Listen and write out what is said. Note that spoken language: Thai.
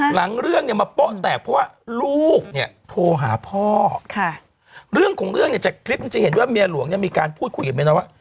หลังเรื่องมาป๊ะแตกเพราะลูกโทรหาพ่อเรื่องของเรื่องจากคลิปมันจะเห็นว่าเมียหลวงมีการพูดคุยกับเมียน้อยว่า